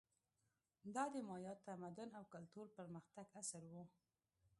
دا د مایا تمدن او کلتور پرمختګ عصر و.